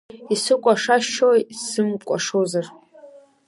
Исыкәашашьои сзымкәашозар…